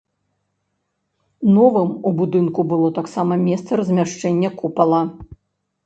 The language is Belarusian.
Новым у будынку было таксама месца размяшчэнне купала.